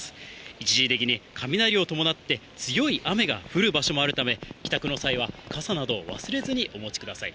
一時的に雷を伴って、強い雨が降る場所もあるため、帰宅の際は傘などを忘れずにお持ちください。